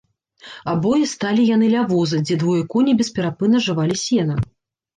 Абое сталі яны ля воза, дзе двое коней бесперапынна жавалі сена.